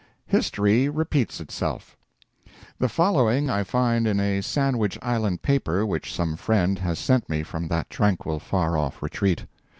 "HISTORY REPEATS ITSELF." The following I find in a Sandwich Island paper which some friend has sent me from that tranquil far off retreat.